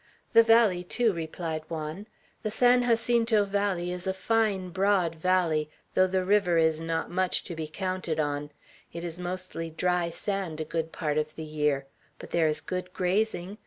"The valley, too," replied Juan. "The San Jacinto Valley is a fine, broad valley, though the river is not much to be counted on. It is mostly dry sand a good part of the year. But there is good grazing.